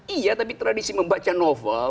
iya tapi tradisi membaca novel